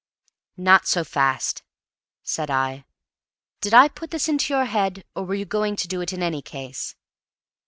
"Not so fast," said I. "Did I put this into your head, or were you going to do it in any case?"